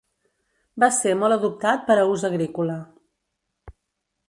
Va ser molt adoptat per a ús agrícola.